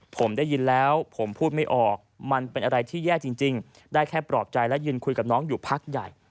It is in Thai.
ผมได้ยินแล้วผมพูดไม่ออกมันเป็นอะไรที่แย่จริงได้แค่ปลอบใจและยืนคุยกับน้องอยู่พักใหญ่